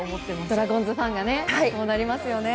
ドラゴンズファンがそうなりますよね。